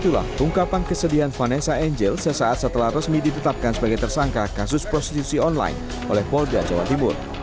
itulah ungkapan kesedihan vanessa angel sesaat setelah resmi ditetapkan sebagai tersangka kasus prostitusi online oleh polda jawa timur